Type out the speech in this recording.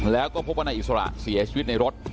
แล้วก็พบว่านายอิสระเสียชีวิตในรถ